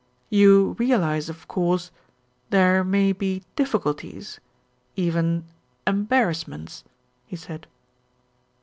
"You realise, of course, there may be difficulties, even embarrassments?" he said.